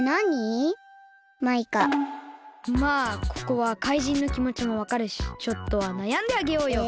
まあここはかいじんのきもちもわかるしちょっとはなやんであげようよ。